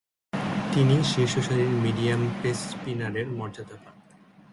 তিনি শীর্ষসারির medium pace স্পিনারের মর্যাদা পান।